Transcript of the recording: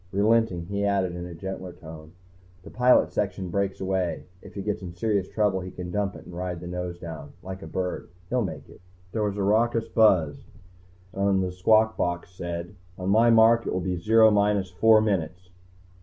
Relenting, he added in a gentler tone, "The pilot section breaks away. If he gets in serious trouble, he can dump it and ride the nose down. Like a bird. He'll make it." There was a raucous buzz, and a squawk box said: "On my mark it will be Zero minus four minutes